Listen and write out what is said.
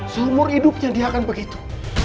seumur hidupnya dia akan begitu